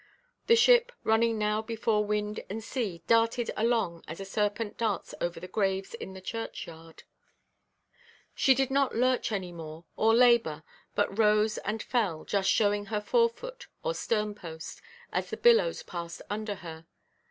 The ship, running now before wind and sea, darted along as a serpent darts over the graves in the churchyard; she did not lurch any more, or labour, but rose and fell, just showing her fore–foot or stern–post, as the billows passed under her.